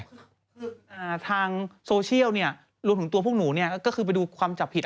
คือทางโซเชียลเนี่ยรวมถึงตัวพวกหนูเนี่ยก็คือไปดูความจับผิด